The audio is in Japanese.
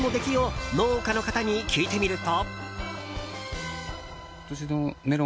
今年のメロンの出来を農家の方に聞いてみると。